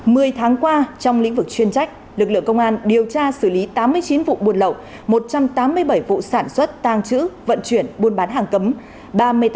mười tháng qua trong lĩnh vực chuyên trách lực lượng công an điều tra xử lý tám mươi chín vụ buôn lậu một trăm tám mươi bảy vụ sản xuất tàng trữ vận chuyển buôn bán hàng cấm